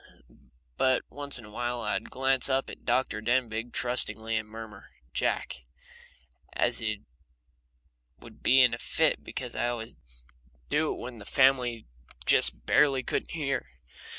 But once in awhile I would glance up at Dr. Denbigh trustingly and murmur "Jack," and he would be in a fit because I'd always do it when the family just barely couldn't hear.